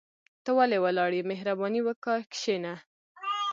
ته ولي ولاړ يى مهرباني وکاه کشينه